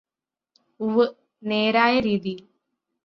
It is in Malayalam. ഉവ്വ് നേരായ രീതിയില്